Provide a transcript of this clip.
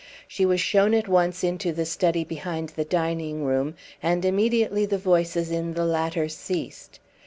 She was shown at once into the study behind the dining room, and immediately the voices in the latter ceased.